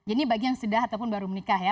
ini bagi yang sudah ataupun baru menikah ya